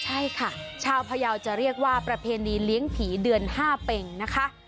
ใช่ค่ะชาวพยาวจะเรียกว่าประเพณีเลี้ยงผีเดือน๕เป็งนะคะ